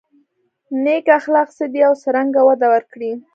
نېک اخلاق څه دي او څرنګه وده ورکړو.